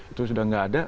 itu sudah nggak ada